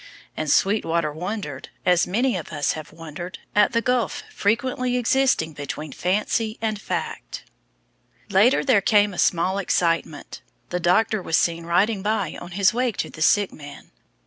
And Sweetwater wondered, as many of us have wondered, at the gulf frequently existing between fancy and fact. Later there came a small excitement. The doctor was seen riding by on his way to the sick man.